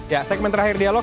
ya segmen terakhir dialog